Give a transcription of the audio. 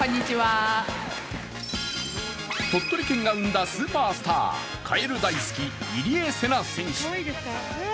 鳥取県が生んだスーパースター、カエル大好き、入江聖奈選手。